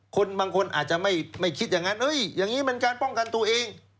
คนบางคนอาจจะไม่ไม่คิดอย่างงั้นเอ้ยอย่างงี้เป็นการป้องกันตัวเอง